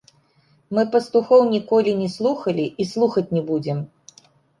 Мы пастухоў ніколі не слухалі і слухаць не будзем.